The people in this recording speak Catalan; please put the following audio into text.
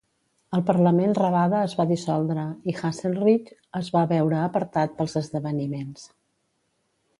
El Parlament rabada es va dissoldre, i Haselrig es va veure apartat pels esdeveniments.